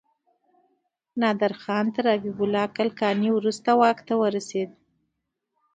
نادر خان تر حبيب الله کلکاني وروسته واک ته ورسيد.